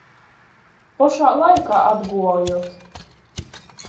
Pošā laikā atguojot.